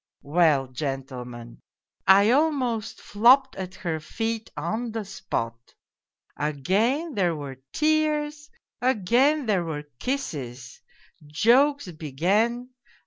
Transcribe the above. " Well, gentlemen, I almost flopped at her feet on the spot. Again there were tears, again there were kisses. Jokes began.